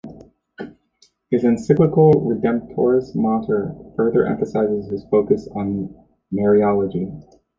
His encyclical "Redemptoris Mater" further emphasizes his focus on Mariology.